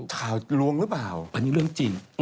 เป็นเรื่องจริง